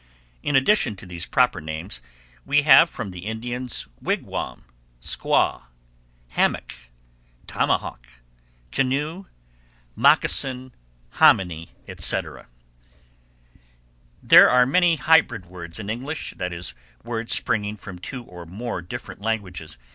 In addition to these proper names we have from the Indians wigwam, squaw, hammock, tomahawk, canoe, mocassin, hominy, etc. There are many hybrid words in English, that is, words, springing from two or more different languages.